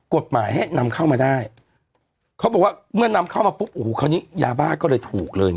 กฎหมายให้นำเข้ามาได้เขาบอกว่าเมื่อนำเข้ามาปุ๊บโอ้โหคราวนี้ยาบ้าก็เลยถูกเลย